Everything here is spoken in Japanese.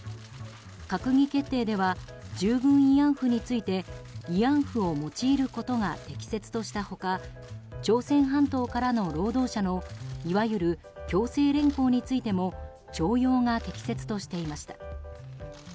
閣議決定では従軍慰安婦について慰安婦を用いることが適切とした他朝鮮半島からの労働者のいわゆる強制連行についても徴用が適切としていました。